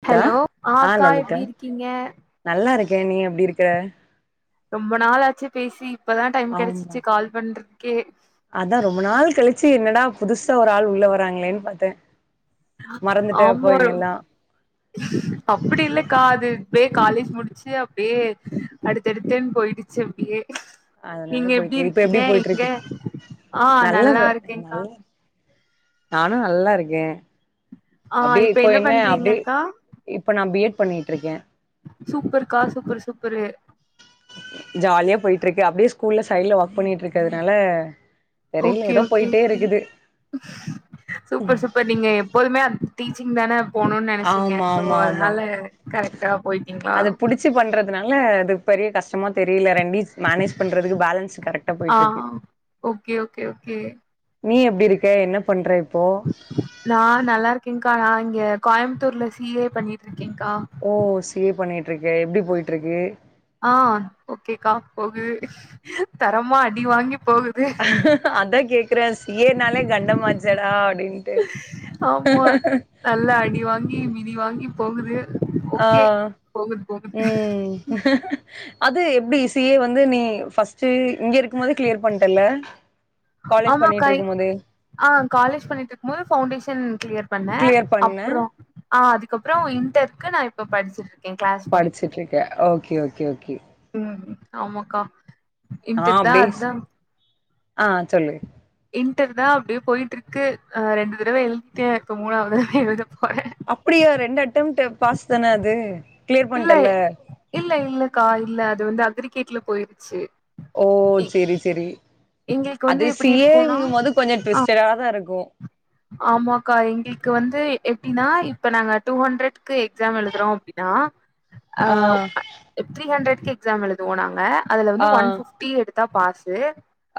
லிதா hello ஆ அக்கா எப்டி லலிதா இருக்கீங்க நல்லாருக்க நீ எப்டி இருக்க ரொம்ப நாளாச்சு பேசி இப்பதா டைம் ஆமா கெடச்சிச்சு கால் பண்றக்கே அதா ரொம்ப நாள் கழிச்சு என்னடா புதுசா ஒரு ஆள் உள்ள வராங்ளேன் பாத்த ஆமா ரொ அப்டி இல்லக்கா அது பே காலேஜ் முடிச்சு அப்டியே அடுத்தடுத்துன் போயிடுச்சு அப்டியே நீங்க அதனால எப்டி போயிட்டு இப்ப இருக்கிங்க போயிட்டு எங்க இருக்கு ஆ நல்லா போ நல்லாருக்கேங்க்கா நல்லா நானு நல்லா இருக்கே ஆ அப்டியே இப்ப இப்போ என்ன அப்டியே பண்றீங்கக்கா இப்ப நா பி எட் பண்ணிட்ருக்க சூப்பர்க்கா சூப்பரு சூப்பரு ஜாலியா போயிட்ருக்கு அப்டியே ஸ்கூல்ல சைடுல ஒர்க் பண்ணிட்ருக்கதுனால okay okay three super super நீங்க எப்போதுமே அந் டீச்சிங் தானே போணுன் நெனச்சீங்க ஆமா சோ ஆமா ஆமா அதனால கரெக்டா போய்ட்டிங்ளா னால அது பெரிய கஷ்டமா தெரில ரெண் மேனேஜ் பண்றதுக்கு பேலன்ஸ் கரெக்டா ஆ போய்ட்ருக்கு ஓகே ஓகே ஓகே நீ எப்டி இருக்க என்ன பண்ற இப் நா நல்லாருக்கேங்க்கா நா இங்க கோயமுத்தூர்ல C A பண்ணிட்ருக் O C A பண்ணிட்ருக்க எப்டி போய்ட்ருக்கு ஆ ஓகேக்கா போகு தரமா அடி வாங்கி போகுது அதா கேக்கறே சி ஏ னாலே கண்டமாச்சேடா ஆமா நல்லா அடி வாங்கி மிதி வாங்கி போகுது ஆ ஓகே போகுது போகுது ம் அது எப்டி சி ஏ வந்து நீ ஃபஸ்ட்டு இங்க இருக்கும் போதே க்ளியர் பண்ட்டல்ல காலேஜ் ஆமாக்கா பண்ணிட்ருக்கும் போதே ஆ காலேஜ் பண்ணிட்ருக்கும் போது பவுண்டேஷன் க்ளியர் பண்ண கிளியர் பண்ண அப்ற ஆ அதுக் கப்ற இன்டர்க்கு நா இப்ப படிச்சிட்ருக் படிச்சுட்ருக்க ஓகே ஓகே ஓகே ம் ஆமாக்கா ஆ இன்ட்டர்தா அப்டியே அதா ஆ சொல்லு இன்ட்டர்தா அப்டியே போயிட்ருக்கு அ ரெண்டு தடவ எழுதிட்ட இப்ப மூணாவது தடவ எழு அப்படியா ரெண்டு அட்டம்ப்ட் பாஸ் தான அது கிளியர் இல்ல பண்ட்டல்ல இல்ல இல்லக்கா இல்ல அது வந்து அக்ரிகேட்ல போயிருச்சு ஓ எ செரி செரி எங்களுக்கு வந்து அது சி எப்டி ஏ இருக்கும்னா ங்கும் போது கொஞ்ச ட்விஸ்ட்டடாதா இருக்கு ஆமாக்கா எங்ளுக்கு வந்து எப்டினா இப்ப நாங்க டூ ஹண்ட்ரட்க்கு எக்ஸாம் எழுதுறோ அப்டின் னா அ ஆ த்ரீ ஹண்ட்ரடுக்கு எக்ஸாம் எழுதுவோ நாங்க அதுல ஆ வந்து ஒன் ஃபிஃப்டி எடுத் பாசு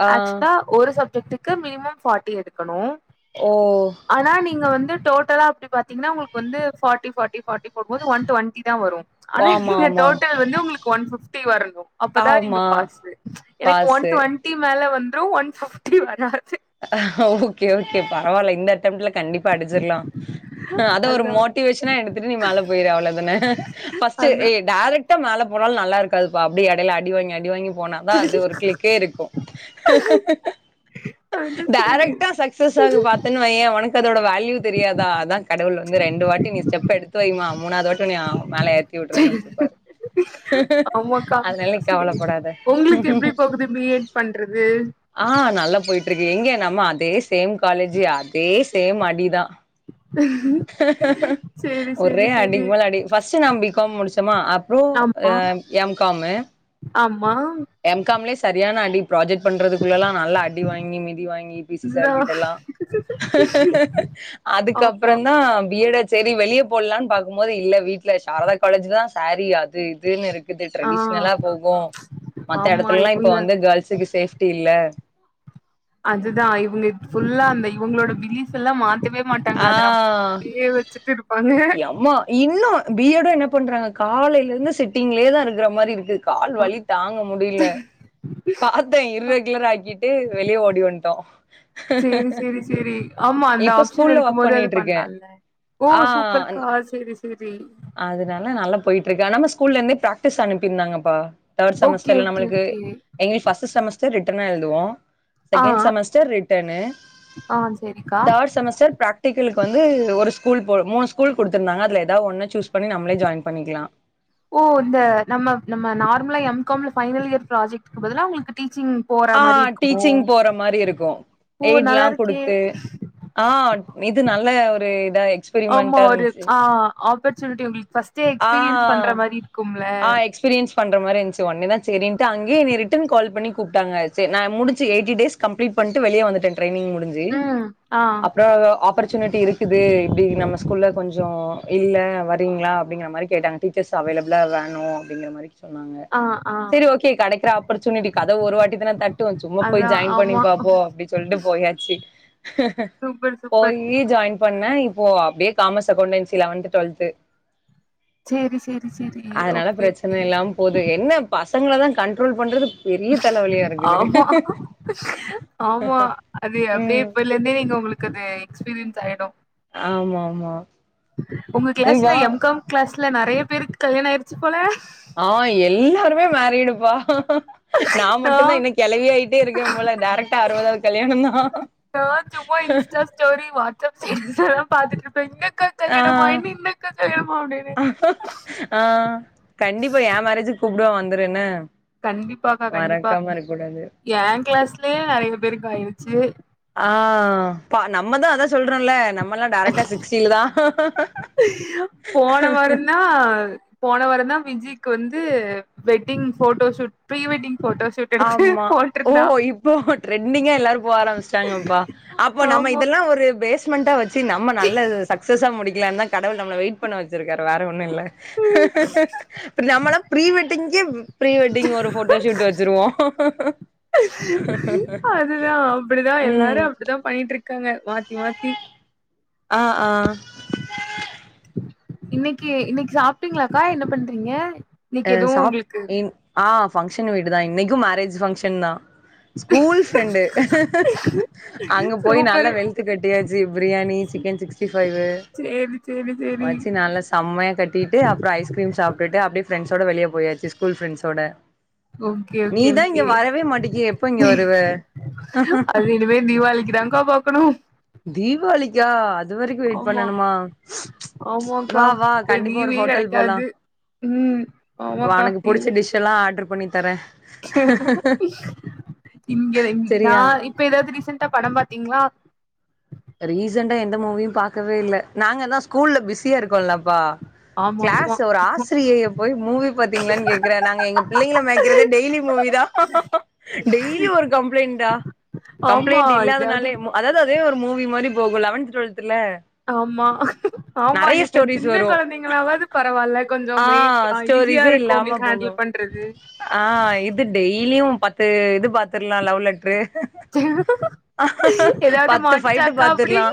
ஆ ஆக்சுவலா ஒரு சப்ஜெட்டுக்டுக்கு மினமம் பார்டி எடுக்கணு ஓ ஆனா நீங்க வந்து டோட்டலா அப்படி பாத்தீங்கன்னா உங்களுக்கு வந்து பார்ட்டி பார்ட்டி பர்ட்டி போடும்பது ஒன் டுவென்டி தா வரும் ஆமா ஆனா ஆமா டோட்டல் வந்து உங்களுக்கு ஒன் பிப்டி வரனும் அப்பதா நீங்க ஆமா பாசு எனக்கு ஒன் பாஸு டுவென்டி மேல வந்து ஒன் பிப்டி வராது ஓகே ஓகே பரவாயில்ல இந்த அட்டம்ட் ல கண்டிப்பா அடிச்சிடலா ஹ அத ஒரு அதா மோட்டிவேஷனா எடுத்துட்டு நீ மேல போயிர அவ்வளவு தானே பஸ்ட் அதா டேரக்ட் மேல போனாலு நல்ல இருக்காதுப்ப அப்படி எடைல அடி வாங்கி அடி வாங்கி போனாதா அது ஒரு கிளிக்கே இருக்கு அது சரி டைரக்டா சக்சஸ் ஆ பா்த்தன்னு வைய உனக்கு அதோட வேல்ய தெரியாத கடவுள் வந்து ரெண்டு வாட்டி நீ ஸ்டெப் எடுத்து வெய்மா மூணாவது வாட்டி [unintelligible] மேல ஏத்தி விடுறேன்னு வச்சிருப்பாரு ஆமாக்கா அதெல்லா சரி கவலைப்படாத உங்களுக்கு எப்டி போகுது பி எட் பண்றது ஆ நல்லா போயிட்டு இருக்கு எங்க நம்ம அதே சேம் காலேஜி அதே சேம் அடிதா சேரி சேரி ஒரே சேரி அடிக்கு மேல அடி பஸ்ட் நம் பிகம் முடிச்சோமா ப்ரோ ஆமா எம் காம் ஆமா எம் காம்லயே சரியான அடி ப்ராஜெக்ட் பண்றதுக்குள்ள எல்லா நல்லா அடி வாங்கி மிதி வாங்கி பிடி இதுதா சார் கிட்ட எல்லா அதுக்கப்புற ஆமா தா பியட சரி வெளியே போடலான்னு பாக்கும்போது இல்ல வீட்டுல சாரதா காலேஜ்லதா சாரி அது இதுன்னு இருக்கு ஆ டிரெடிஷனலா போகும் மத்த ஆமா இடத்துல எல்லா இப்ப இவுங்க வந்து கேள்சுக்கு சேப்டி இல்ல அதுதா இவங்க புல்லா அந்த இவங்களோட பிலிஸ் எல்லா மாத்தவே மாட்டாங்க ஆ அத நம் அப்டியே வச்சுட்டு இருப்பாங்க எம்மா இன்னும் பிஎட என்ன பண்றாங்க காலையில இருந்து சிட்டிங்லயே தான் இருக்கிற மாதிரி இருக்கு கால் வழி தாங்க முடியல பாத்தே இர்ரெகுலர் ஆக்கிட்டு வெளியே ஓடி வந்துட்டோ சரி சரி சரி ஆமா அந்த இப்ப ஆப்ஷன் ஸ்கூல்ல இருக்கும் ஒர்க் போது அது பண்ணிட்டு இருக்கேன் பண்ணலாம்ல ஓ ஆ சூப்பர் க சரி சரி அதனால நல்லா போயிட்டு இருக்கா நம் ஸ்கூல்ல இருந்தந்து பிராக்டிஸ் அனுப்பிருந்தாங்கப்பா தேர்ட் ஓகே செமஸ்டர்ல ஓகே நம்மளுக்கு ஓகே எங்களுக்கு பஸ்ட் செமஸ்டர் ரிட்டர்னா எழுதுவோ ஆ செகண்ட் செமஸ்டர் ரிட்டனு ஆ சேரிக்கா தேர்ட் செமஸ்டர் பிர்க்டிகலு வந்து ஒரு ஸ்கூல் போ மூணுஸ்கூல் குடுத்திருந்தாங்க அது ஏதாவது ஒன்னு சூஸ் பண்ணி நம்மளே ஜாயின் பண்ணிக்கலாம் ஓ இந்த நம்ம நம்ம நார்மலா எம் எம் காம் ல பைனல் இர் ப்ராஜக்ட்க்கு பதில உங்களுக்கு டி ஆ டீச்சிங் போற மாரி இருக்கு ஓ எய்ட்ல்லா நல்லா இருக்கே குடுத்து ஆ இது நல்ல ஒரு இதா ஆமா எக்ஸ்பெரிமெண்டா ஒரு இருந்துச்சு ஆ ஆப்பர்ச்சுனிட்டி உங்களுக்கு எக்ஸ்பீரியன்ஸ் பண்ற மாரி இருக்கும் அ எக்ஸ்பீரியன்ஸ் பண்றதிரி இருந்துச்ச உடனே தான் சின்ட்டு அங்கே நீ ரிட்டர்ன் கால் பண்ணி கூப்பிட்டாங்க நான் முடிச்சு எயிட்டி டேஸ் கம்லிட்டு பன்னுட்டு வெளிய வந்துட்டே டிரைனிங் முடிஞ்சு ம் ஆ அப்புற ஆபர் பர்ச்சுனிட்டி இருக்குது இப்படி நம்ம ஸ்கூல்லில் கொஞ்ச இல்லை வரீங்களா அப்படிங்கிற மாரி கேட்டாங்க டீச்சர்ஸ் அவைலபிளா வேணு அப்படிங்க மாரி சொன்னாங்க ஆ ஆ சரி ஓகே கிடைிகற ஆப்பர்ச்சுனிட்டி கதவு ஒரு வாட்டி தான தட்டு சும்மா போய் அதா ஜாயின் பண்ணி ஆமா பா அப்படின்னு சொல்லிட்டு போயாச்சு சூப்பர் சூப்பர் போய் ஜாயின் பண்ண இப்போ அப்படியே காமர்ஸ் அகௌண்டன்சி வந்து டுவெல்த் சேரி சேரி சேரி அதனால ஓகே ஓகே பிரச்சனை இல்லாம போகுது என்ன பாச தான் கண்ட்ரோல் பண்றது பெரிய தலைவலயா ஆமா ஆமா அது அப்படியே ம் இப்பல இருந்தே நீங்க உங்களுக்கு அது எக்ஸ்பீரியன்ஸ் ஆயிட்டோ ஆமா ஆமா உங்க கிளாஸ்ல இவா எம் காம் கிளாஸ்ல நிறைய பேருக்கு கல்யாண ஆயிடுச்சு போல ஆ எல்லாருமே மேறிடுப்பா நா மட்டும்தா இன்னு கிலவியாயிட்டே இருக்கே போல டேரக்டா அறுபவதாவது கல்யாணம் தா அ சும்மா இன்ஸ்டா ஸ்டோரி வாட்ஸ்அப் ஸ்ல்லாம் பாத்துட்டுருப் இப்ப எங்கக்கா ஆ கல்யாணமா இன்னக்கா கல்யாணமாவுனேனு எ மேரேஜ்க்கு கூப்டுவ வந்துரு என்ன கண்டிப்பாக்கா கண்டிப்பா மறக்காம இருக்க கூடாது எ கிளாஸ்லயே நெறய பேருக்கு ஆயிடுச்சு ஆ நம்மதா அதா சொல்றோம்ல நம்மல்லா டேரக்டா சிக்ஸ்டில தா போன வாரந்தா போன வாரந்தா விஜிக்கு வந்து wedding photoshoot pre wedding photo shoot எடுத்து ஆமா ஓ போட்ருந்தா இப்போ ட்ரெண்டிங்கா எல்லாரு போ ஆரம்பிச்சட்டாங்கப்பா அப்போ நம்ம ஆமா இதல் ல்ல ஒரு பேஸ் ஸ்மெண்டா வச்சி நம்ம நல்ல சக்சஸா முக்கலா தா கடவுள் நம்ம வெயிட் பண்ண வச்சிருக்காரு வேற ஒன்னுல்ல நம்மளா ப்ரீ வெட்டிங்கே ப்ரீ வெட்டிங் ஒரு போட்டோஷூட் வச் சிருவோ அதுதா அப்டிதா எல்லாரு ம் அப்டிதா பண்ணிட்டு இருக்காங்க மாத் திவாத்தி ஆ ஆ இன்னைக்கு இன்னைக்கு சாப்ட்டீங்களாக்கா என்ன பண்றீங்க அ இன்னைக்கு எதுவு சாப் உங்களுக்கு இன் ஆ ஃபங்க்ஷன் வீடு தா இன்னைக்கு மேரேஜ் ஃபங்க்ஷன் தா ஸ்கூல் ஃப்ரெண்டு அங்க போய் நல்லா சூப்பரு வெழுத்து கட்டியாச்சி பிரியாணி சிக்கன் சிக்ஸ்டி ஃபைவ் சேரி சேரி சேரி வச்சு நல்லா செம்மையா கட்டிட்டு அப்பற ஐஸ்கிரீம் சாப்ட்டுட்டு அப்டியே பிரெண்ஸோட வெளிய போயாச்சு ஸ்கூல் ஃப்ரெண்ஸோட ஓகே ஓகே நீதா ஓகே இங்க வரவே மாட்டிக்கியே எப்போ இங்க வருவ அது இனிமே தீபாவளிக்குதா கா பாக்கணு தீவாளிக்கா அதுவரைக்கு வெயிட் ஆமா பண்ணணுமா ச் ச் ஆமாக்கா வா வா இந்த கண்டிப்பா ஒரு லீவே ஹோட்டல் போலா கெடைக்காது ம் ஆமாக்கா உனக்கு லீவு புடிச்ச டிஷ் எல்லா ஆர்டர் பண்ணி தர இங்க நா சரியா இப்ப ஏதாவது ரீசெண்டா படம் பாத் திங்ளா ரீசண்டா எந்த மூவியு பாக்கவே இல்ல நாங்க தா ஸ்கூல்ல பிஸியா இருக்கோம்ல்லப்பா ஆம் கிளாஸ் ஒரு ஆசிரியை போய் மூவி பாார்த்தீங்களானு கே்கற நாங்க பிள்ளைங்கள மே்கறதே டெய்லி மூவிதா டெய்லி ஒரு கம்ப்ளைண்டா ஆமா கம்ப்ளைண்ட் இதாவது இல்லாதனாலே அதாவது அதே ஒரு மூவி மாரி போகு லவன்த் டுவெல்த் ஆமா ஆமா நெறைய நீங்க ஸ்டோரிஸ் சின்ன வரு குழந்தைங்களாவது பரவால்ல கொஞ்சோ ஆ மேய்க்கலா ஈஸியா ஸ்டோரிசே இருக்கு இல்லாம உங்களுக்கு போகு ஹேண்டில் பண்றது ஆ இது டெய்லி யும் பத்து இது பாத்துலா லவ் லட்ரு ஏதாவது பத்து ஃபைட்டு மாட்டுச்சாக்கா அப்டி பாத்துரலா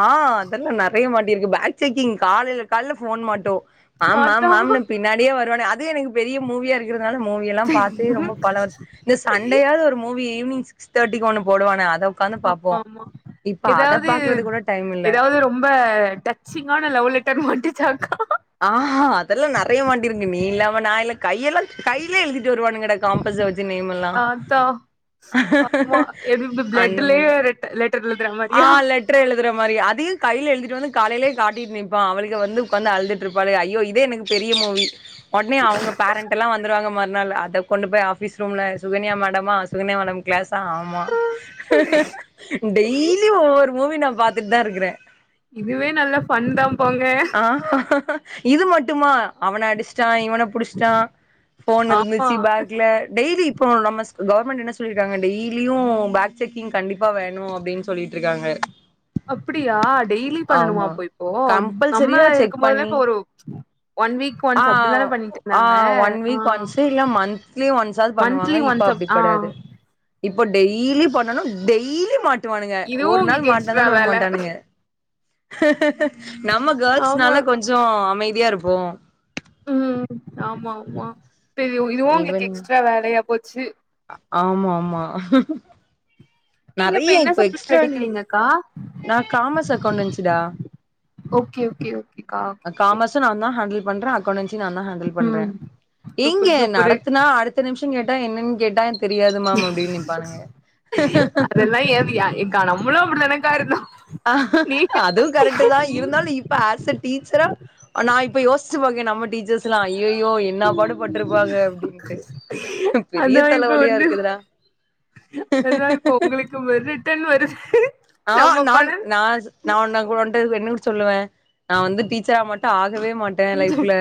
ஆ அதெல்லா நெறைய மாட்டிருக்கு பேக் செக்கிங் காலையில கால போன் மாட்டு மாம் மாம் அதா மாம்னு பின்னாடியே வருவானே அது எனக்கு பெரிய மூவியா இருக் மூவி எல்லா பாத்து ரொம்ப பல வருஷ இந்த சண்டையாவது ஒரு மூவி ஈவ்னிங் சிக்ஸ் தேட்டிக்கு ஒன்ணு போடுவான அத உக்காந்து பாப்போ ஆமா இப்ப அத பாக்கறது கூட டைம் இல்ல ஏதாவது ரொம்ப டச்சிங்கான லவ் லெட்டர் மாட்டச்சாக்கா ஆ அதெல்லா நெறைய மாட்டியிருக்கு நீ இல்லாம நா இல்ல கையெல்லாம் கையிலே எழுதிட்டு வருவானு கட காம்பஸ வச்சு நேமலா அதா ஆமா எது அந்தமிரி பிளட்லயே லெட்டர் எழுதுற ஆ மாரியா லெட்டர் எழுதுற மாதிரி அதி கு கையல் எழுதிட்டு வந்து காலையிலயே காட்டிட்டு நிப்பா அவளுக்கு வந்து உக்காந்து அழுதுட்டு இருப்பாளுக ஐயோ இதே எனக்கு பெரிய மூவி ஒடனே அவங்க பேரண்ட் எல்ல வந்துருவாங்க ம நாள் அத கொண்டு போய் ஆபீஸ் ரூம்ல சுகனியா மேடம்மா சுகன்யா மேடம் கிளாஸ் ஆமா டெய்லி ஒவ்வொரு மூவி நா பாத்துட்டு தா இருக்குறே இதுவே நல்ல பண் தா போங்க ஆ இது மட்டுமா அவன அடிச்ச்டா இவ் இவன புடிச்சிட்டா போன் ஆமா இருந்துச்சு பேக்ல டெய்லி இப்ப நம்ம கவர்மெண்ட் என்ன சொல்லியிருக்காங்க டெய்லியு பேக் செக்கிங் கண்டிப்பா வேணு அப்படின்னு சொல்லிட்ருக்காங்க அப்படியா டெய்லி பண்ணணுமா இப்போ நம்ம கம்பல்சரியா செக் இருக்கு போதல பண்ணி இப்ப ஒரு ஒன் வீக் ஆ ஒன்ஸ் அப்டிதான பண்ணிட்டு ஆ இருந்தாங்க ஒன் ஆ வீக் ஒன்ஸ்சு இல்ல மந்த் லி ஒன்ஸ்சாது பண்ணுவாங்க மந்த்லி இப்ப ஒன்ஸ் அப் அப்டி ஆ கெடையாது இப்ப டெய்லி பண்ணணு டெய்லி மாட் ட்டுவானுங்க இதுவு ஒரு நாள் உங்களுக்கு எக்ஸ்ட்ரா மாட்னதோட உட வேல மாட்டானுங்க நம்ம ஆமா கேர்ள்ஸ்னால கொஞ்ச அ அமைதியா இருப்போ ம் ஆமா ஆமா தெரியு இதுவு உங்களுக்கு இவனுங் எக்ஸ்ட்ரா வேலையா போச்சு ஆமா ஆமா நீங்க நெறைய என்ன இப்ப சப்ஜெக்ட் எக்ஸ்ட்ரா வே எடுக்கிறீங்கக்கா நா காமஸ் அக்கவுண்ட் இருச்சுடா ஓகே ஓகே ஓகேக்கா ஓகே ஓகே காமஸ்சு நாந்தா அ ஹேண்டில் பண்றே அக்கௌண்டன்சி நாந்தா ஹேண்டில் பண்றே ம் சூப்பர் எங்கே சூப்பரு நடத்தனா அடுத்த நிமிஷ [unintelligible] கேட்டா என்னென் கேட்டா தெரியாது மேம் அப்டின்னு நிப்பானுங்க அதெல்லா ஏ ஏக்கா நம்மளு அப்டிதானக்கா இருந்தோ அ நீங்க அதுவு கரெக்டு தா நீ இருந்தாலு இப்ப ஆஸ் அ டீச்சரா நா இப்போ யோச்சி பாக்கே நம்ப டீச்சர்ஸ்லா அய்யயோ என்ன பாடுபட்டுருப்பாங்க அப்டின்டு அதா பெரிய இப்ப தலைவலியா வந்து இருக்குதுடா அதா இப்போ உங்களுக்கு ரிட்டன் வருது நம்ம பண நா உன்ட வந்து யன்ன சொல்லுவே நா வந்து டீச்சரா மட்டு ஆ விழவே மாட்டே லைஃப்ல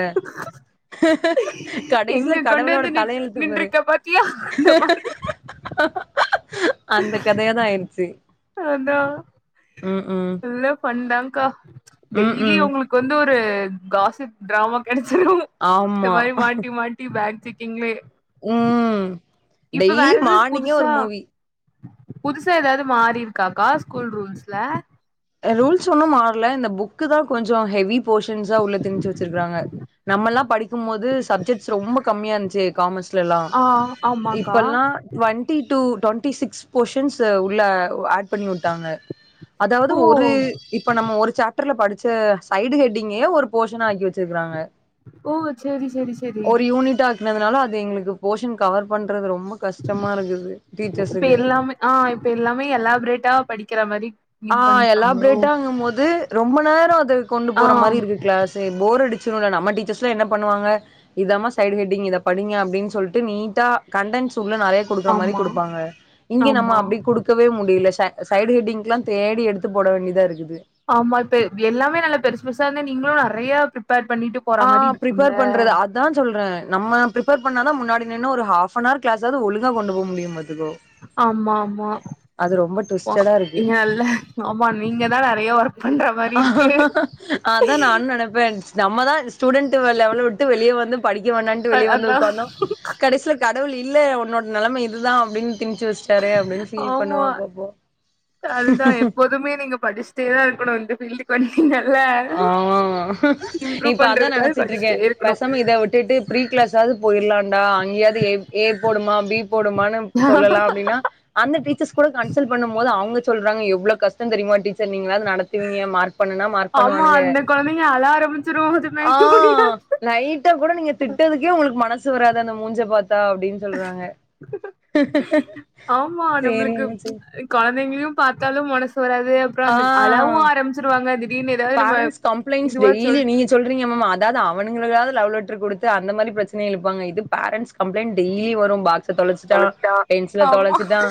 கடைசியில எங்க கொண்டு கடவுளோட வந்து நின் தலையெழுத்து பாரு நின்றுக்க பாத்தியா அந்த மாரி [unintelligible] அந்த கதையாதா ஆயிடுச்சு அதா நல்ல ஃபண்தா கா ம் டெய்லியு ம் உங்களுக்கு வந்து ஒரு து காசிப்டிராமா கெடைச்சிரு இந்த ஆமா மாரி மாத்தி மாத்தி பேக்ஜிக்கிங்களே ம் டெய்லி எதாவது மார்னிங்கே ஒரு புதுசா மூவி புதுசா ஏதாவது மாறிருக்காக்கா ஸ்கூல் ரூல்ஸ்ல ரூல்ஸ் ஒன்னு மாறல இந்த புக்கு தா கொஞ்ச ஹெவி போர்ஷன்ஸா உள்ள திணிச்சு வச்சிருக்காங்க நம்மெல்லா படிக்கு போது சப்ஜெக்ட்ஸ் ரொம்ப கம்மியா இருந்துச்சு காமர்ஸ் ட்லல்லா ஆ ஆமாக்கா இப்பெல்லா twenty two twenty six portions உள்ள ஆட் பண்ணி விட்டாங்க அ து ஓ ஒரு இப்ப நம்ம ஒரு சாப்டர்ல படிச்ச சைடு ஹெட்டிங்கே ஒரு போர்ஷன ஆக்கி வச்சிருக்காங்க ஓ சேரி செரி செரி பண்ணதுனால அது எங்களுக்கு போஷன் கவர் பண் ன்றது ரொம்ப கஷ்டமாயிருக்கு இப்ப டீச்சர்ஸுக்கு எல்லாமே ஆ இப்ப எல்லாமே எலாபரேட்டா படிக்கிற மாரி இது ஆ எல்லா பண்ட்டாங்களோ பிரேட் ஆகு போது ரொம்ப நேர அது கொண்டு ஆ போற மாரி இருக்கு கிளாஷே போர் அடி சு நம்ம டீச்சர்ஸ்ல என்ன பண்ணுவாங்க இதமா சைடு ஹெட்டிங் இத படிங்க அப்டின்னு சொல்லிட்டு நீட்டா கண்டன்ஸ் உள்ள நெறைய குடுக்குற மாரி ஆமா குடுப்பாங்க இங்க நம்ம ஆமா அப்டி குடுக்கவே முடியல சை சைடு ஹெட்டிங்கெல்லா தேடி எடுத்து போட வேண்டியதா இருக்கு ஆமா இப்ப எல்லாமே பெருசு பெருசா இருந்தா நீங்களு நெறைய ப்ரிப்பேர் பண்ணிட்டு போற அ மாரி இருக்கும்ல பிரிபேர் பண்றது அதா சொல்றே நம்ம பிரிப்பேர் பண்ணாதா முன்னாடி என்ன ஒரு ஹாப்ணார் கிளஸ்ஸாது ஒழுங்கா கொண்டு போக முடிய ஆம்மா ஆம்மா அது ரொம்ப மா ட்விஸ்டடா இருக்கு இங்க இல்ல ஆமா நீங்க தா நெறைய ஒர்க் பண்ற மாரி இருக்கு அதா நானு நெனப்பே நம்ம தா ஸ்டூடெண்டு லெவ விட்டு வெளியே வந்து படிக்க வந்தண்டு அ வெளியே வந்து அதா உக்காந்தோ கடைசில கா கடவுளில்ல உன்னோட நிலம இதுதா அப்டின்னு திணிச்சு வச்சிடாரு அப்டின்னு ஃபீல் ஆமா பண்ணுவே அப்போப்போ அதுதா எப்போதுமே நீங்க படிச்சிட்டே தா இருக்கணு இந்த பீஃல்டுக்கு வந் அஹ் இம்ப்ரூவ் இப்ப அதா பண்றதுக்காக நெனச்சிட்டுருக்கே படிச்சுட்டே இருக்கணு பேசம இத விட்டுட்டு ப்ரீ கிளாஸாவது போயிர்லான்டா அங்கேயாவது ஏ போடுமா பி போடுமனு சொல்லலா அப்டின்னா அந்த டீச்சர்ஸ் கூட கன்சல்ட் பண்ணு போது அவங்கச் சொல்றாங்க எவ்ளோ கஷ்ட தெரியுமா டீச்சர் நீங்களது நடத்துவீங்க மார்க் பண்ணுனா மார்க் ஆமா பண்ணுவானுங்க அந்த கொழந்தைங்க அழ ஆரம்பிச்சிரு அது மேய்க்க அஹ் முடியாது லைட்டா கூட நீங்க திட்னதுக்கே க் உங்களுக்கு மனசு வராது அந்த மூஞ்ச பாத்தா அப்டின்னு சொல்றாங்க ஆமா சேரின்னு சேரி நம்மளுக்கு என்ன செய் கொழந்தைங்களையு பாத்தாலு மன சு வராது அப்றோ ஆ அந்த அழவு ஆரம்பிச்சிருவாங்க திடீர்னு ஏதாவது நம்ம இதுவா சொல் ஆமா அதாது அவுனுங்கலாது லவ் லெட் ட்ரு குடுத்து அந்த மாரி பிரச்சனய இலுப்பாங்க இது பேரண்ட்ஸ் கம்ப்ளைண்ட் டெய்லி வரு பாக் [unintelligible] தொலச்சிட்டா தொலைச்சிட்டா பென்சில ஆமா தொலச்சிட்டா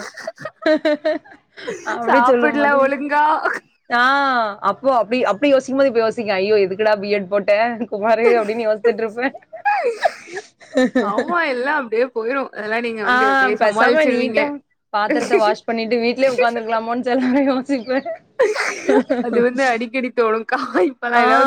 அப்டி சொல்லு சாப்புட்ல போது ஒழுங்கா நா அப்போ அப்டி அப்டி யோசிக்கு போது இப்ப யோசிக்கே ஐயோ எதுக்குடா பி எட் போட்டே குமாரு அப்டின்னு யோசிச்சுட்டு இருப்பே ஆமா எல்லா அப்டியே போயிரு அதெல்லா நீங்க வந்து ஆஹ் அப்டியே பேசாம சமாளிச்சிருவீங்க நீட்டம் பாத்திரத்த வாஷ் பண்ணிட்டு வீட்லே உக்காந்துருக்கலாமோனு செலநேரோ அது வந்து அடிக்கடி தோணுகா இப்ப நா ஆ ஏதாவது